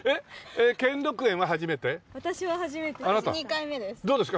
２回目です。